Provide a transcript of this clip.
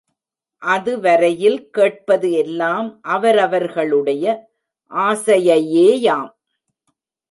அது வரையில் கேட்பது எல்லாம் அவரவர்களுடைய ஆசையையேயாம்.